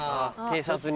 偵察に。